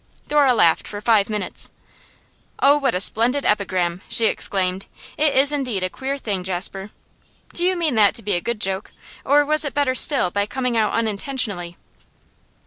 Dora laughed for five minutes. 'Oh, what a splendid epigram!' she exclaimed. 'It is indeed a queer thing, Jasper! Did you mean that to be a good joke, or was it better still by coming out unintentionally?